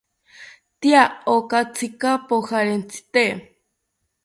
¿Tya okatsika pojarentsite?